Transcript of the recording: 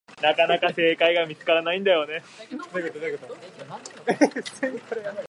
なかなか正解が見つからない